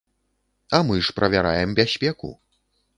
А мы ж правяраем бяспеку.